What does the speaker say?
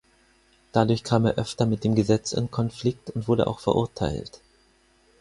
Dadurch kam er öfter mit dem Gesetz in Konflikt und wurde auch verurteilt.